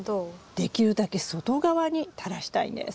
できるだけ外側に垂らしたいんです。